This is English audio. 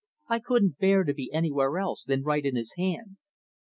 I couldn't bear to be anywhere else than right in his hand.